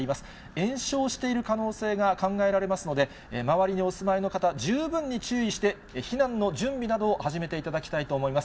延焼している可能性が考えられますので、周りにお住まいの方、十分に注意して、避難の準備などを始めていただきたいと思います。